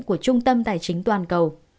của trung tâm tài chính toàn cầu